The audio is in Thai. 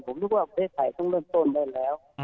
ผมนึกว่าประเทศไทยต้องเริ่มต้นได้แล้ว